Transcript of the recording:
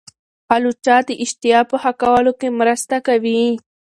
الوچه د اشتها په ښه کولو کې مرسته کوي.